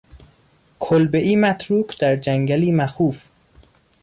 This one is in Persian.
کلبهای متروک در جنگلی مخوف.